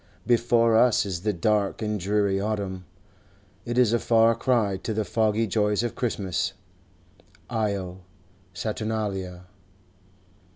Before us is the dark and dreary autumn; it is a far cry to the foggy joys of Christmas. Io Saturnalia!